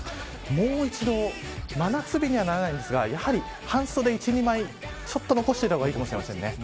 もう一度、真夏日にはならないんですがやはり半袖１、２枚残しておいた方がいいかもしれませんね。